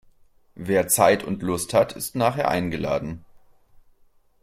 Wer Zeit und Lust hat, ist nachher eingeladen.